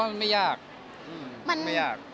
ดูแยกไหมเหรอผมว่ามันไม่ยาก